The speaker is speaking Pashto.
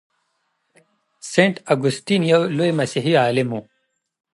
سینټ اګوستین یو لوی مسیحي عالم و.